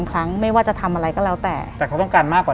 หลังจากนั้นเราไม่ได้คุยกันนะคะเดินเข้าบ้านอืม